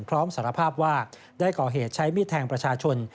พร้อมสารภาพว่าได้ก่อเหตุใช้มีดแทงประชาชน